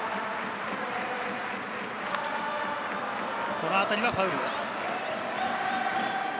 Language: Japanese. この当たりはファウルです。